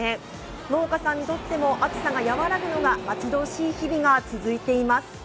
農家さんにとっても暑さが和らぐのが待ち遠しい日々が続いています。